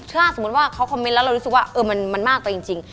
ถ้าสมมุติว่าเขาคอมเมนต์แล้วเรารู้สึกว่ามันมากไปจริง